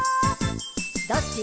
「どっち？」